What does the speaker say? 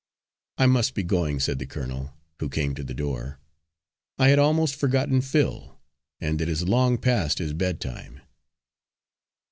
"I must be going," said the colonel, who came to the door. "I had almost forgotten Phil, and it is long past his bedtime."